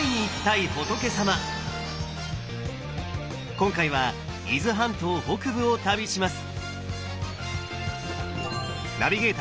今回は伊豆半島北部を旅します！